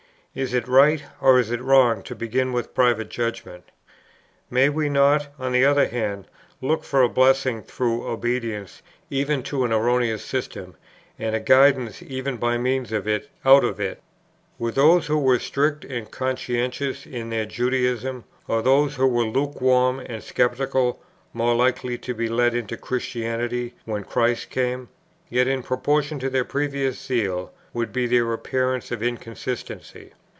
Is it right, or is it wrong, to begin with private judgment? May we not, on the other hand, look for a blessing through obedience even to an erroneous system, and a guidance even by means of it out of it? Were those who were strict and conscientious in their Judaism, or those who were lukewarm and sceptical, more likely to be led into Christianity, when Christ came? Yet in proportion to their previous zeal, would be their appearance of inconsistency.